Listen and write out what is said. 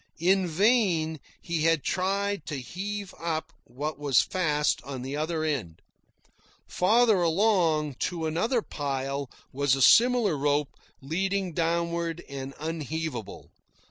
In vain he had tried to heave up what was fast on the other end. Farther along, to another pile, was a similar rope, leading downward and unheavable.